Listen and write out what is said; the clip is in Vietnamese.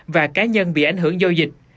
và cá nhân bị ảnh hưởng do dịch